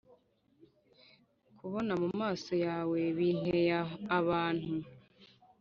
kubona mumaso yawe binteye abantu